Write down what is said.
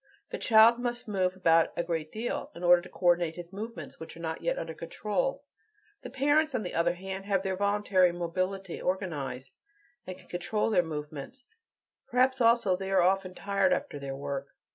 The child must move about a great deal, to coordinate his movements, which are not yet under control; the parents, on the other hand, have their voluntary mobility organized, and can control their movements; perhaps also they are often tired after their work.